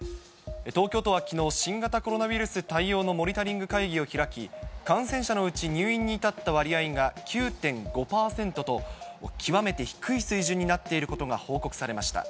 東京都はきのう、新型コロナウイルス対応のモニタリング会議を開き、感染者のうち入院に至った割合が９．５％と、極めて低い水準になっていることが報告されました。